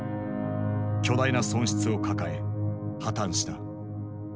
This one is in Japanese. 巨大な損失を抱え破綻した。